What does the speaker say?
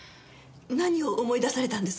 何を思い出されたんですか？